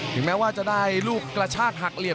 ถึงแม้ว่าจะได้ลูกกระชากหักเหลี่ยม